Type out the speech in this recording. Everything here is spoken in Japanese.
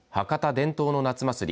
伝統の夏祭り